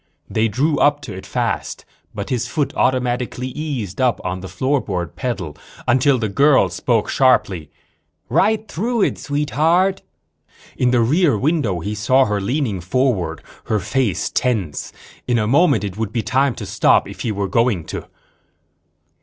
They drew up to it fast, but his foot automatically eased up on the floorboard pedal until the girl spoke sharply. "Right through it, Sweetheart." In the rear view mirror he saw her leaning forward, her face tense. In a moment it would be time to stop, if he were going to.